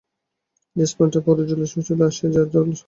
যে স্পঞ্জটা পুরো জলে শুষে নিয়েছে, সে আর জল টানতে পারে না।